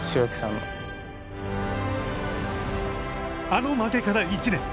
あの負けから１年。